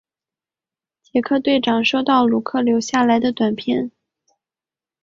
杰克队长收到鲁克的留下来的短片。